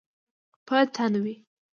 په تن وی